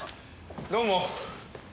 どうも。